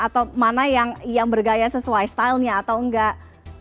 atau mana yang bergaya sesuai stylenya atau enggak